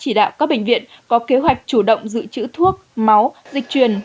chỉ đạo các bệnh viện có kế hoạch chủ động giữ chữ thuốc máu dịch truyền